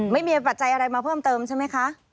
ไม่มีปัจจัยอะไรมาเพิ่มเติมใช่ไหมคะ